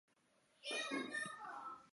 阿兰巴雷是巴西南大河州的一个市镇。